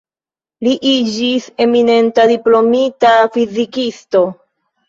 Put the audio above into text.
Li iĝis eminenta diplomita fizikisto.